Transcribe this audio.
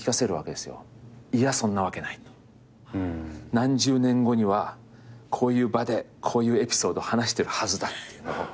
何十年後にはこういう場でこういうエピソードを話してるはずだっていうのを。